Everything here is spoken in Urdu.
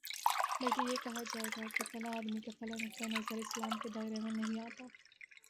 بلکہ یہ کہا جائے گا کہ فلاں آدمی کا فلاں نقطۂ نظر اسلام کے دائرے میں نہیں آتا